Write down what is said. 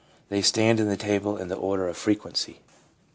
They stand in the table in the order of frequency.